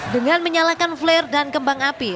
dengan menyalakan flare dan kembang api